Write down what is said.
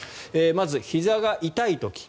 まずひざが痛い時。